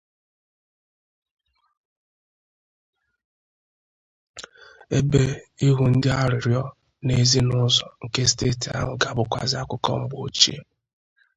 ebe ịhụ ndị arịrịọ n'ezi na ụzọ nke steeti ahụ ga-abụkwazị akụkọ mgbe ochie.